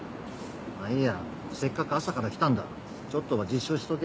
まぁいいやせっかく朝から来たんだちょっとは自習しとけ。